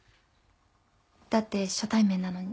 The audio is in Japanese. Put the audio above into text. だって初対面なのに。